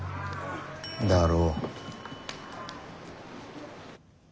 だろ？